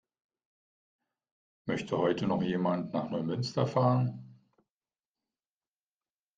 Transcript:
Möchte heute noch jemand nach Neumünster fahren?